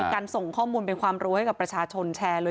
การส่งข้อมูลเป็นความรู้ให้กับประชาชนแชร์เลย